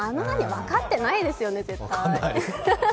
分かってないですよね、絶対。